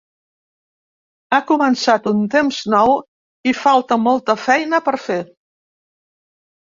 Ha començat un temps nou i falta molt a feina per fer.